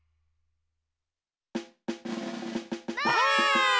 ばあっ！